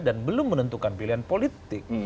dan belum menentukan pilihan politik